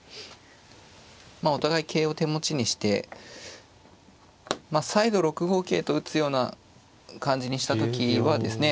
まあお互い桂を手持ちにして再度６五桂と打つような感じにした時はですね